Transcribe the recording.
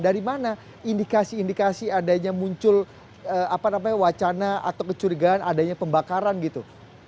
dari mana indikasi indikasi adanya muncul wacana atau kecurigaan adanya pembakaran gitu